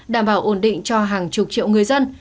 đảm bảo ổn định cho hàng chục triệu người dân